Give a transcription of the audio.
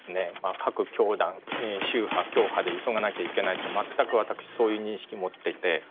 各教団宗派教派で急がなきゃいけないと全く私そういう認識持っていて。